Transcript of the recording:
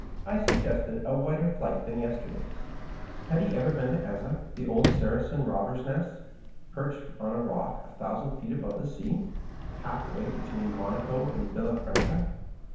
I suggested a wider flight than yesterday's. Had he ever been to Eza, the old Saracen robber nest perched on a rock a thousand feet above the sea, halfway between Monaco and ViUaf ranca